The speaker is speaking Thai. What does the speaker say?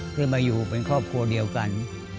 เพื่อมาอยู่เป็นครอบครัวเดียวกัน